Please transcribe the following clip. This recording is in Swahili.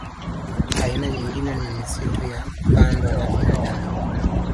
Aina nyingine ni misitu ya kupandwa na binadamu